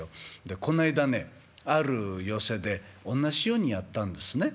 でこないだねある寄席でおんなじようにやったんですね。